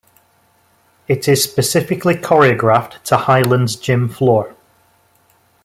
It is specifically choreographed to Highland's gym floor.